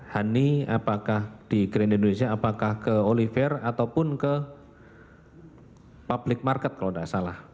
honey apakah di grand indonesia apakah ke oliver ataupun ke public market kalau tidak salah